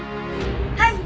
はい。